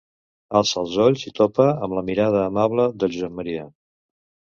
Alça els ulls i topa amb la mirada amable del Josep Maria.